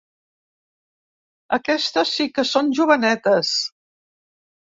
Aquestes sí que són jovenetes.